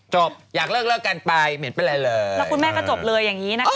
อยากเลิกเลิกกันไปเหม็นเป็นไรเลยแล้วคุณแม่ก็จบเลยอย่างนี้นะคะ